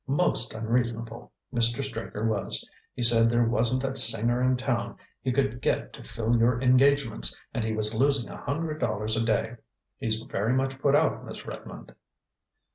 Most unreasonable, Mr. Straker was. He said there wasn't a singer in town he could get to fill your engagements, and he was losing a hundred dollars a day. He's very much put out, Miss Redmond."